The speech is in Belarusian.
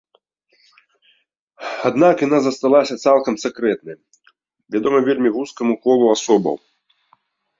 Аднак яна заставалася цалкам сакрэтнай, вядомай вельмі вузкаму колу асобаў.